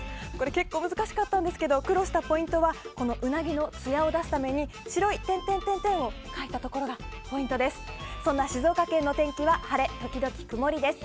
結構難しかったんですが苦労したポイントはうなぎのつやを出すために白い点々を描いたところがポイントです。